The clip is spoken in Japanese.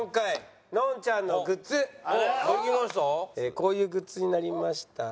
こういうグッズになりました。